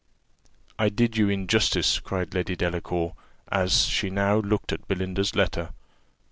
"I did you injustice," cried Lady Delacour, as she now looked at Belinda's letter.